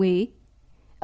không đồng ý